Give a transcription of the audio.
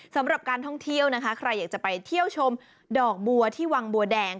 สำหรับการท่องเที่ยวนะคะใครอยากจะไปเที่ยวชมดอกบัวที่วังบัวแดง